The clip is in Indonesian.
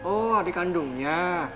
oh adik kandungnya